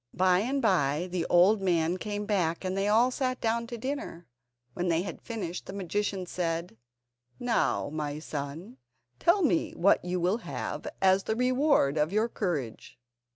By and by the old man came back and they all sat down to dinner. When they had finished the magician said: "Now, my son, tell me what you will have as the reward of your courage?"